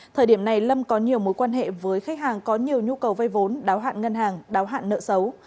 thời điểm này lâm có nhiều mối quan hệ với khách hàng có nhiều nhu cầu vay vốn đáo hạn ngân hàng đáo hạn nợ xấu